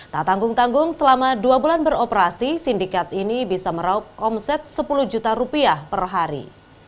tak tanggung tanggung selama dua bulan beroperasi sindikat ini bisa meraup omset sepuluh juta rupiah per hari